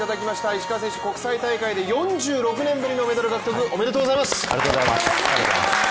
石川選手、国際大会で４６年ぶりのメダル獲得、おめでとうございます！